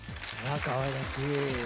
かわいらしい。